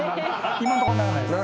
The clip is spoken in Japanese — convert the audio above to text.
今んとこならないです。